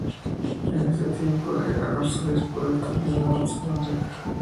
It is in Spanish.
En este tiempo era Arzobispo de Toledo Alonso de Fonseca.